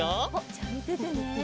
じゃあみててね。